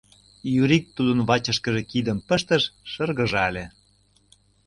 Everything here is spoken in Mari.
Юрик тудын вачышкыже кидым пыштыш, шыргыжале.